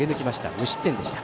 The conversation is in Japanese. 無失点でした。